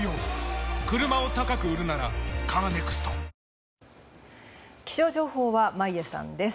明るく気象情報は眞家さんです。